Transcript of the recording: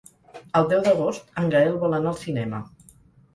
El deu d'agost en Gaël vol anar al cinema.